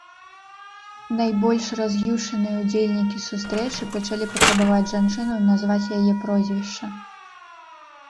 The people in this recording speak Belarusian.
Найбольш раз'юшаныя ўдзельнікі сустрэчы пачалі патрабаваць жанчыну назваць яе прозвішча.